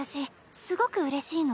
すごくうれしいの。